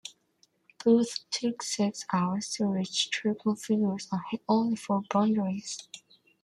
Booth took six hours to reach triple figures and hit only four boundaries.